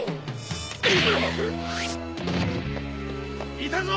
いたぞ！